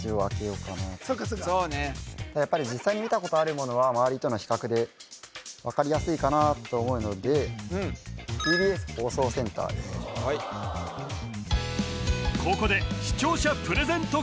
そうかそうかやっぱり実際に見たことあるものは周りとの比較で分かりやすいかなと思うのでＴＢＳ放送センターでここで視聴者プレゼント